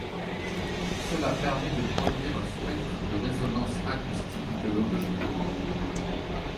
Cela permet de produire un spectre de résonance acoustique de l’objet.